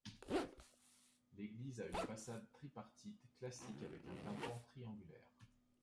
L'église a une façade tripartite classique avec un tympan triangulaire.